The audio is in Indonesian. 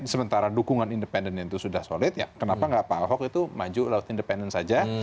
sementara dukungan independen itu sudah solid ya kenapa nggak pak ahok itu maju lewat independen saja